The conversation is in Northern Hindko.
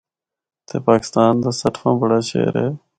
تے پاکستان دا سٹھواں بڑا شہر اے۔